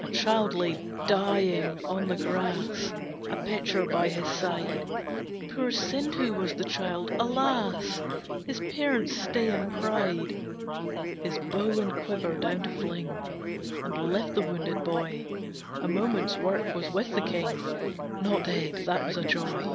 A child lay dying on the grass, A pitcher by his side, Poor Sindhu was the child, alas! His parents' stay and pride. His bow and quiver down to fling, And lift the wounded boy, A moment's work was with the king. Not dead, that was a joy!